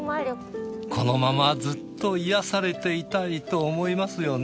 このままずっと癒やされていたいと思いますよね。